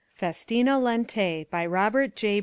"FESTINA LENTE" BY ROBERT J.